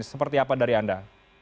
seperti apa dari anda